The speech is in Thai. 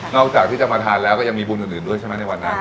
จากที่จะมาทานแล้วก็ยังมีบุญอื่นด้วยใช่ไหมในวันนั้น